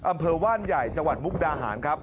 อำเภอว่านใหญ่จังหวัดมุกดาหารครับ